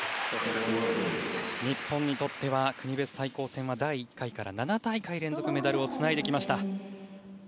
日本にとっては国別対抗戦は第１回から７大会連続でメダルをつないできました。